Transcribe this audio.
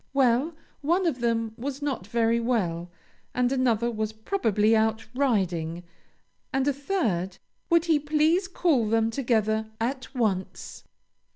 Well, one of them was not very well, and another was probably out riding, and a third Would he please call them together at once?